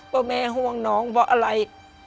ว่าแม่ห่วงน้องเพราะอะไร